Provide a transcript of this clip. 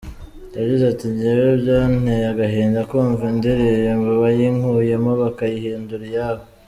Yagize ati “Njyewe byanteye agahinda kumva indirimbo bayinkuyemo bakayihindura iyabo.